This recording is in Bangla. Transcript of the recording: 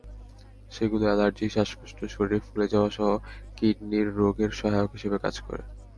সেগুলো অ্যালার্জি, শ্বাসকষ্ট, শরীর ফুলে যাওয়াসহ কিডনির রোগের সহায়ক হিসেবে কাজ করে।